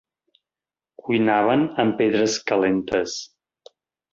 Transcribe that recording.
Cuinaven amb pedres calentes.